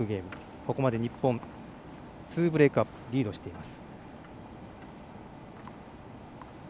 ここまで日本、２ブレークアップリードしています。